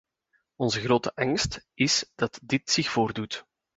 Onze grote angst is dat dit zich voordoet.